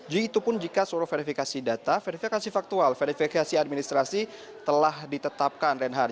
jadi itu pun jika seluruh verifikasi data verifikasi faktual verifikasi administrasi telah ditetapkan renhar